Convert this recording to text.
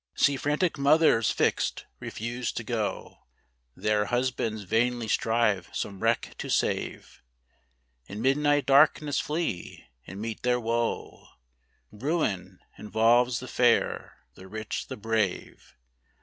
97 See frantic mothers fixed, refuse to go: There husbands vainly strive some wreck to save: In midnight darkness flee, and meet their wo; Ruin involves the fair, the rich, the brave.